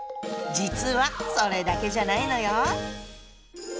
実はそれだけじゃないのよ。